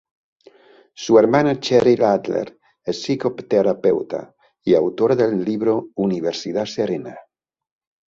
Su hermana Cheryl Adler es psicoterapeuta, y autora del libro "Universidad Serena.